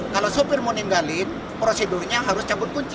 kalau sopir mau ninggalin prosedurnya harus cabut kunci